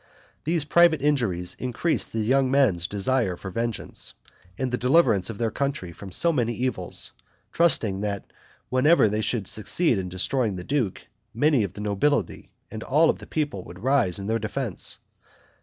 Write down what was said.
These private injuries increased the young men's desire for vengeance, and the deliverance of their country from so many evils; trusting that whenever they should succeed in destroying the duke, many of the nobility and all the people would rise in their defense.